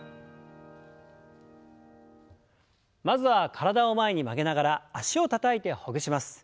まずは体を前に曲げながら脚をたたいてほぐします。